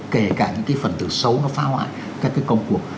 kể cả những cái phần từ xấu nó phá hoại các cái công cuộc